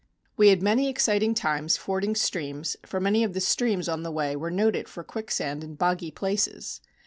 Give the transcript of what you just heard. We had many exciting times fording streams, for many of the streams on the way were noted for quicksand and boggy places.